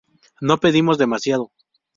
No pedimos demasiado.